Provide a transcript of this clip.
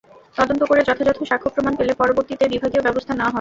তদন্ত করে যথাযথ সাক্ষ্য প্রমাণ পেলে পরবর্তীতে বিভাগীয় ব্যবস্থা নেওয়া হবে।